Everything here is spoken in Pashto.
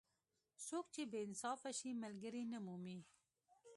څوک چې بې انصافه شي؛ ملګری نه مومي.